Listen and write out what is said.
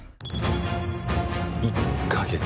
１か月。